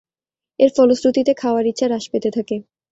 এর ফলশ্রুতিতে খাওয়ার ইচ্ছা হ্রাস পেতে থাকে।